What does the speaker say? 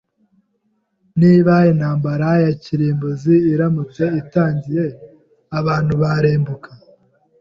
Niba intambara ya kirimbuzi iramutse itangiye, abantu barimbuka.